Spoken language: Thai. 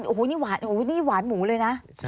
โอ๋นี่หวานหูเลยนะ